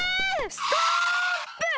ストップ！